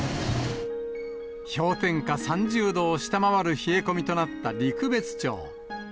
氷点下３０度を下回る冷え込みとなった陸別町。